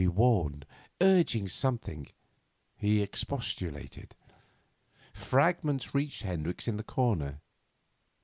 She warned, urging something; he expostulated. Fragments reached Hendricks in his corner.